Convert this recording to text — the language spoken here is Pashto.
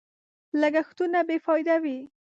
لګښتونه بې فايدې وي.